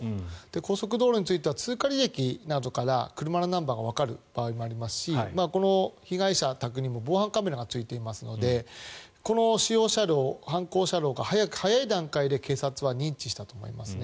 高速道路については通過履歴などから車のナンバーがわかることもありますしこの被害者宅にも防犯カメラがついていますのでこの使用車両、犯行車両が早い段階で警察は認知したと思います。